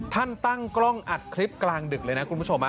ตั้งกล้องอัดคลิปกลางดึกเลยนะคุณผู้ชม